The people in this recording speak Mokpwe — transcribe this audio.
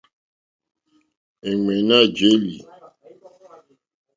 È ɱwèní à jèlí.